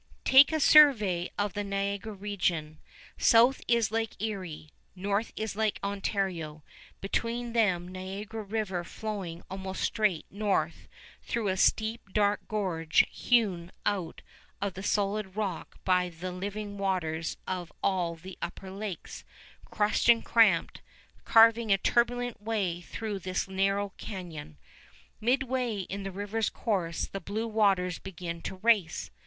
Take a survey of the Niagara region. South is Lake Erie, north is Lake Ontario, between them Niagara River flowing almost straight north through a steep dark gorge hewn out of the solid rock by the living waters of all the Upper Lakes, crushed and cramped, carving a turbulent way through this narrow canyon. Midway in the river's course the blue waters begin to race.